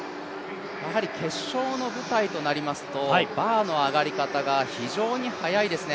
やはり決勝の舞台となりますと、バーの上がり方が非常に速いですね。